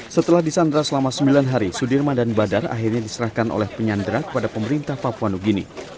setelah disandra selama sembilan hari sudirman dan badar akhirnya diserahkan oleh penyandra kepada pemerintah papua new guinea